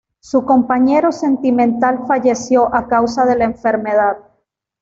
Su compañero sentimental falleció a causa de la enfermedad.